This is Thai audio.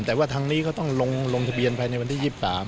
แต่ว่าทางนี้เขาต้องลงทะเบียนภายในวันที่๒๓